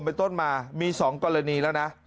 ไปต้นมามีสองกรณีแล้วนะ